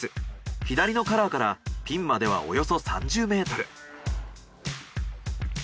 左のカラーからピンまではおよそ３０ｍ。